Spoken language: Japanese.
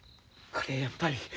これやっぱり。